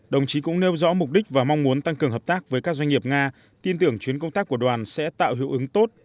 đồng chí cũng nêu rõ mục đích và mong muốn tăng cường hợp tác với các doanh nghiệp nga tin tưởng chuyến công tác của đoàn sẽ tạo hữu ứng tốt